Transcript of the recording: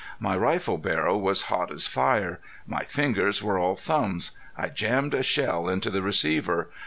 My rifle barrel was hot as fire. My fingers were all thumbs. I jammed a shell into the receiver.